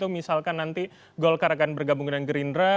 misalkan nanti golkar akan bergabung dengan gerindra